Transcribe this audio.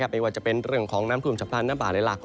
ไม่ว่าจะเป็นเรื่องของน้ำท่วมฉับพลันน้ำป่าในหลาก